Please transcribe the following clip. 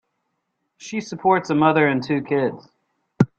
She supports a mother and two kids.